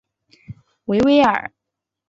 维维尔。